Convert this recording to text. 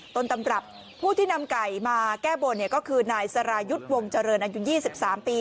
ต้นตำรับผู้ที่นำไก่มาแก้บนก็คือนายสรายุทธ์วงเจริญอายุ๒๓ปี